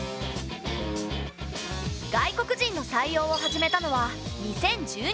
外国人の採用を始めたのは２０１２年。